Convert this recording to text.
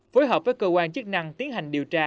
phối hợp với cơ quan chức năng tiến hành điều tra